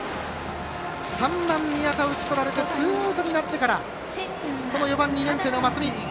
３番、宮田打ち取られてツーアウトになってから４番、２年生の増見。